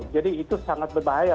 jadi itu sangat berbahaya